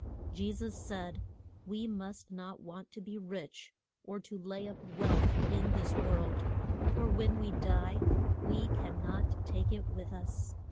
Je sus said we must not want to be rich or to lay up wealth in this world, for when we die we can not take it with us.